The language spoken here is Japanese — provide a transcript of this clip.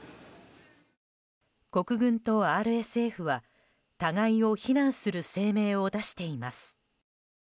国軍とＲＳＦは互いを非難する声明を出しています。